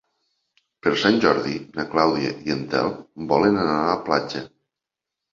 Per Sant Jordi na Clàudia i en Telm volen anar a la platja.